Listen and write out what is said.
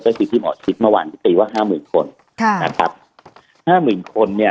ก็คือที่หมอคิดเมื่อวานที่ตีว่าห้าหมื่นคนค่ะนะครับห้าหมื่นคนเนี่ย